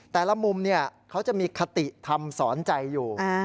แต่ละมุมเขาจะมีคติธรรมสอนใจอยู่